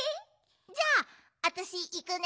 じゃああたしいくね！